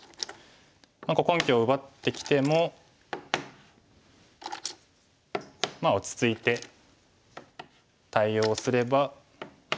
根拠を奪ってきてもまあ落ち着いて対応すれば。